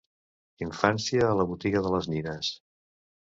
Infància a la botiga de les nines.